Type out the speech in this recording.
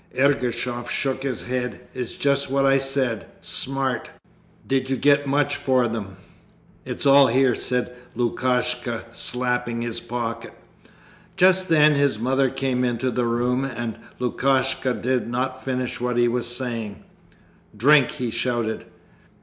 Ergushov shook his head. 'It's just what I said. Smart. Did you get much for them?' 'It's all here,' said Lukashka, slapping his pocket. Just then his mother came into the room, and Lukashka did not finish what he was saying. 'Drink!' he shouted.